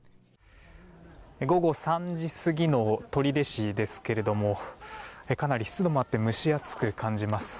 午後３時過ぎの取手市ですけれどもかなり湿度もあって蒸し暑く感じます。